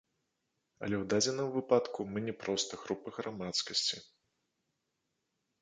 Але ў дадзеным выпадку мы не проста група грамадскасці.